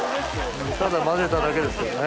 ただ混ぜただけですけど。